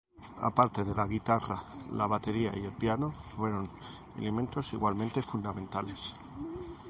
Aparte de la guitarra, la batería y el piano fueron elementos igualmente fundamentales.